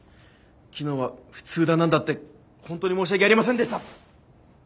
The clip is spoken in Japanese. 昨日は普通だ何だって本当に申し訳ありませんでした。